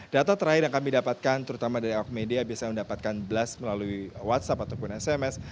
data terakhir yang kami dapatkan terutama dari awak media biasanya mendapatkan blast melalui whatsapp ataupun sms